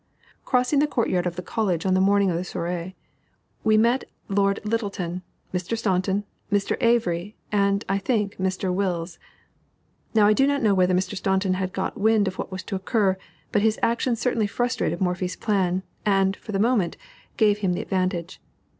Crossing the courtyard of the college on the morning of the soirée, we met Lord Lyttelton, Mr. Staunton, Mr. Avery, and, I think, Mr. Wills. Now I do not know whether Mr. Staunton had got wind of what was to occur, but his action certainly frustrated Morphy's plan, and, for the moment, gave him the advantage.